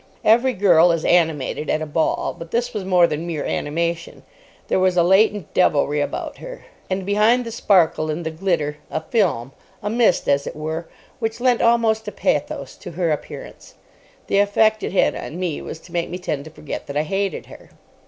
Every girl is animated at a ball, but this was more than mere animation. There was a latent devilry about her; and behind the sparkle and the glitter a film, a mist, as it were, which lent almost a pathos to her appearance. The effect it had on me was to make me tend to forget that I hated her.